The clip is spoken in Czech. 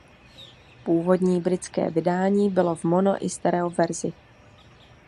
Původní britské vydání bylo v mono i stereo verzi.